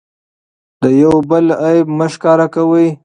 د یو بل عیب مه ښکاره کوئ.